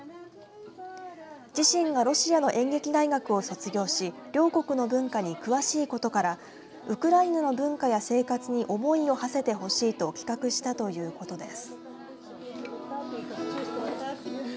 自身がロシアの演劇大学を卒業し両国の文化に詳しいことからウクライナの文化や生活に思いをはせてほしいと企画したということです。